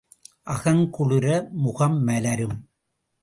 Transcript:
அகம் குளிர முகம் மலரும்.